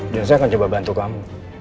dan saya akan coba bantu kamu